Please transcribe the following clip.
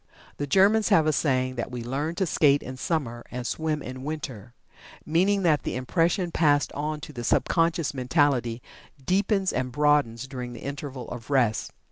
The Germans have a saying that "we learn to skate in summer, and to swim in winter," meaning that the impression passed on to the subconscious mentality deepens and broadens during the interval of rest.